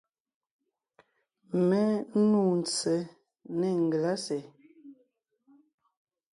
Mé nû ntse nê ngelásè.